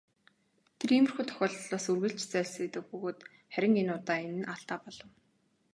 Тэр иймэрхүү тохиолдлоос үргэлж зайлсхийдэг бөгөөд харин энэ удаа энэ нь алдаа болов.